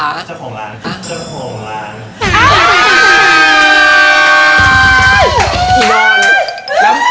เจ้าหมาของร้าน